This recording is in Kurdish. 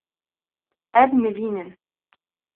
Ev nivîn in.